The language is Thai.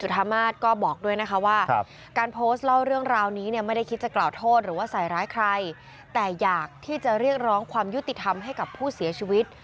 ทำยุติธรรมให้กับผู้เสียชีวิต